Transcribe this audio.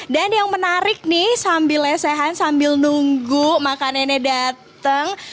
dan yang menarik nih sambil lesehan sambil nunggu makan nenek datang